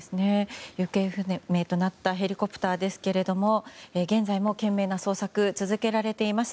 行方不明となったヘリコプターですが現在も懸命な捜索が続けられています。